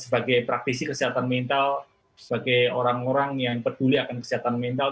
sebagai praktisi kesehatan mental sebagai orang orang yang peduli akan kesehatan mental